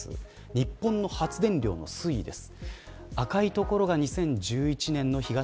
日本の発電量の推移です。